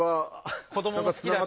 子どもも好きだし。